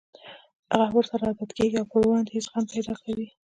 هغه ورسره عادت کېږي او پر وړاندې يې زغم پيدا کوي.